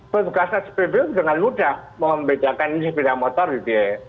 peguasa spb itu dengan mudah mau membedakan sepeda motor gitu ya